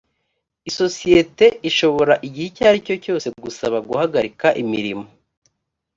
isosiyete ishobora igihe icyo ari cyo cyose gusaba guhagarika imirimo